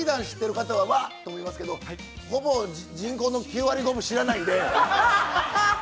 知ってる方は、わっと思いますけど、ほぼ人口の９割５分知らないので。